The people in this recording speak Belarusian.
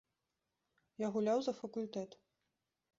Я гуляў за факультэт.